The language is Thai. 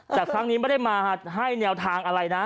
แต่ครั้งนี้ไม่ได้มาให้แนวทางอะไรนะ